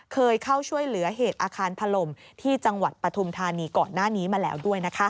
เคยเข้าช่วยเหลือเหตุอาคารถล่มที่จังหวัดปฐุมธานีก่อนหน้านี้มาแล้วด้วย